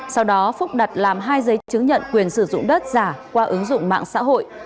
sau đó phúc đặt làm hai giấy chứng nhận quyền sử dụng đất giả qua ứng dụng mạng xã hội